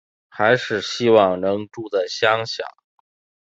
还是希望能住在乡下